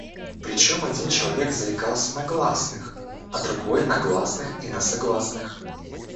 Причём один человек заикался на гласных, а другой на гласных и на согласных.